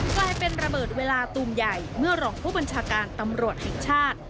กลายเป็นระเบิดเวลาตูมใหญ่เมื่อรองผู้บัญชาการตำรวจแห่งชาติ